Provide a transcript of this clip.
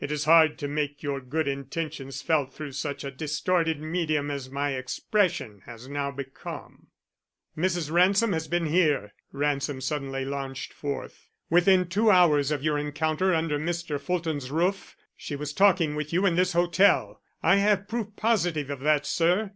It is hard to make your good intentions felt through such a distorted medium as my expression has now become." "Mrs. Ransom has been here," Ransom suddenly launched forth. "Within two hours of your encounter under Mr. Fulton's roof, she was talking with you in this hotel. I have proof positive of that, sir."